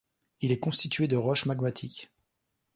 Il est constitué de roches magmatiques.